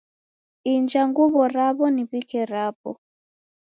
Inja nguw'o raw'o niw'ike rapo